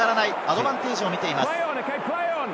アドバンテージを見ています。